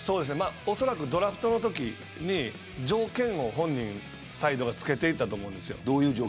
おそらくドラフトのときに条件を本人サイドがつけていたと思うんですよ。